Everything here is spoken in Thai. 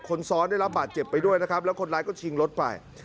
คนซ้อนได้รับบาดเจ็บไปด้วยนะครับแล้วคนร้ายก็ชิงรถไป